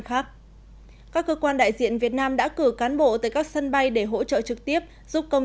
khác các cơ quan đại diện việt nam đã cử cán bộ tới các sân bay để hỗ trợ trực tiếp giúp công